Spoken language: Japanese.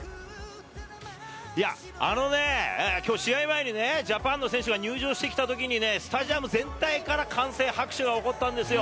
あのね、きょう、試合前にジャパンの選手が入場してきたときにね、スタジアム全体から歓声、拍手が起こったんですよ。